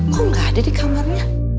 kok nggak ada di kamarnya